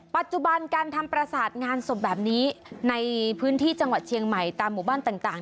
ปัจจุบันการทำประสาทงานศพแบบนี้ในพื้นที่จังหวัดเชียงใหม่ตามหมู่บ้านต่าง